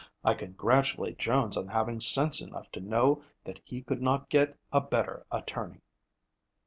"I congratulate Jones on having sense enough to know that he could not get a better attorney."